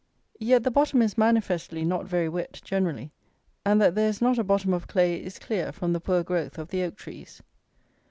Yet the bottom is manifestly not very wet generally; and that there is not a bottom of clay is clear from the poor growth of the oak trees.